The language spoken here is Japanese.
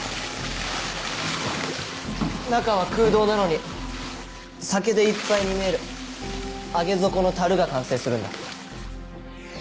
中は空洞なのに酒でいっぱいに見える上げ底の樽が完成するんだ。